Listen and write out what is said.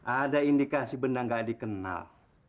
ada indikasi benda nggak dikenal